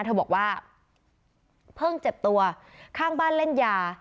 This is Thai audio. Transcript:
เธอบอกว่าเพิ่งเจ็บตัวข้างบ้านเล่นยา